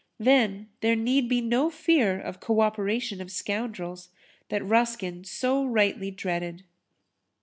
Then there need be no fear of "co operation of scoundrels" that Ruskin so rightly dreaded.